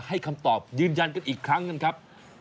ให้คำตอบยืนยันกันอีกครั้งกันครับ